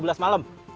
jam dua belas malem